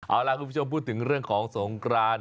เอาล่ะคุณผู้ชมพูดถึงเรื่องของสงกราน